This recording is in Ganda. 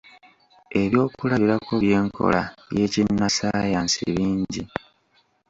Eby'okulabirako by’enkola y’ekinnassaayansi bingi.